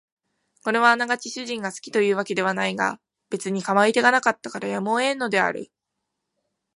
これはあながち主人が好きという訳ではないが別に構い手がなかったからやむを得んのである